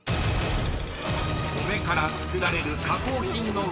［米から作られる加工品のウチワケ］